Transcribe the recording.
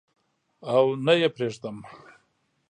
او نه یې پریدم